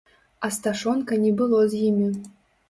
Асташонка не было з імі.